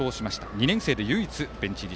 ２年生で唯一ベンチ入り。